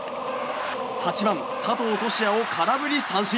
８番、佐藤都志也を空振り三振。